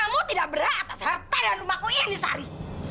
kamu tidak berat atas harta dan rumahku ini sari